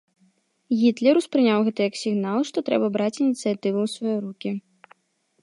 Гітлер успрыняў гэта як сігнал, што трэба браць ініцыятыву ў свае рукі.